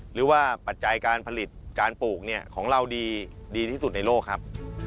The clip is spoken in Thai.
ปัจจัยการผลิตการปลูกของเราดีที่สุดในโลกครับ